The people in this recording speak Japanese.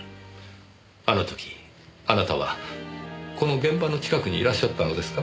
あの時あなたはこの現場の近くにいらっしゃったのですか？